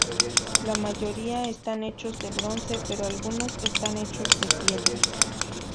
La mayoría están hechos de bronce, pero algunos están hechos de piedra.